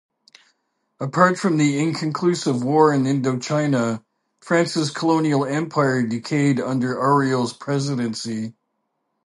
Apart from the inconclusive war in Indochina, France's colonial empire decayed under Auriol's presidency.